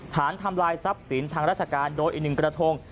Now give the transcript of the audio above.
ทำลายทรัพย์สินทางราชการโดยอีกหนึ่งกระทง